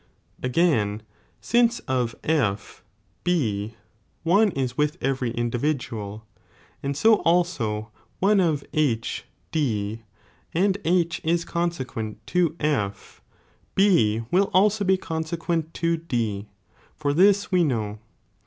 Again, since of F B, one is with every individual, and so also one of H D, and II is consequent to F, B will also be consequent to D, for this we know.